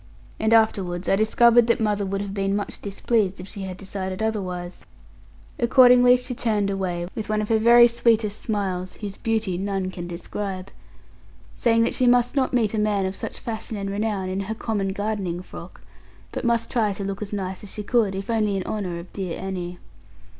And afterwards I discovered that mother would have been much displeased, if she had decided otherwise. Accordingly she turned away, with one of her very sweetest smiles (whose beauty none can describe) saying that she must not meet a man of such fashion and renown, in her common gardening frock; but must try to look as nice as she could, if only in honour of dear Annie.